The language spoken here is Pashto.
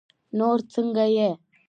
نور څنګه يې؟